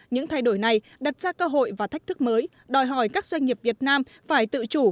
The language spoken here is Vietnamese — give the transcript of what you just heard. những thay đổi này đặt ra cơ hội và thách thức mới đòi hỏi các doanh nghiệp việt nam phải tự chủ